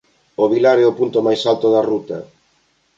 O Vilar é o punto máis alto da ruta.